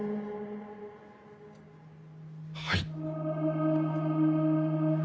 はい。